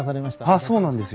あっそうなんですよ。